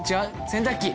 洗濯機！